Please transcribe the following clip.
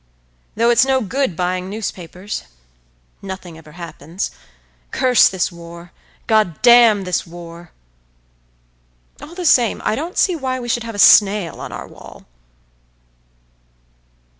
"Though it's no good buying newspapers.… Nothing ever happens. Curse this war; God damn this war!… All the same, I don't see why we should have a snail on our wall."